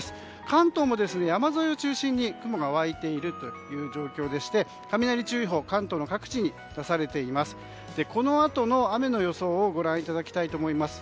関東も山沿いを中心に雲が湧いている状況でして雷注意報、関東の各地に出されています。